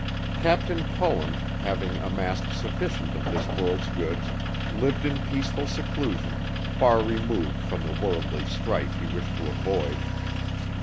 Captain Pullen, having amassed sufficient of this world's goods, lived in peaceful seclusion, far removed from the worldly strife he wished to avoid.